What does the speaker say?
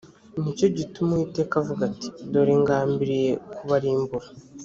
ni cyo gituma uwiteka avuga ati “dore ngambiriye kubarimbura”